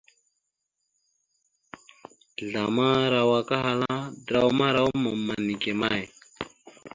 Zlama arawak ahala: draw marawa mamma neke may ?